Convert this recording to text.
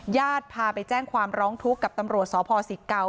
ญาติพาไปแจ้งความร้องทุกข์กับตำรวจสพศิเกา